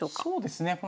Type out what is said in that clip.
そうですね